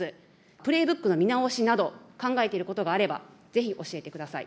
プレイブックの見直しなど、考えていることがあればぜひ教えてください。